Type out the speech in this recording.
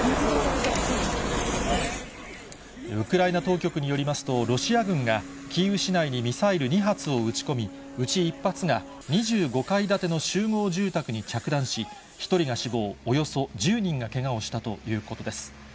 ウクライナ当局によりますと、ロシア軍が、キーウ市内にミサイル２発を撃ち込み、うち１発が、２５階建ての集合住宅に着弾し、１人が死亡、およそ１０人がけがをしたということです。